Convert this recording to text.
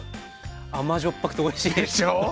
甘じょっぱくておいしい！でしょう。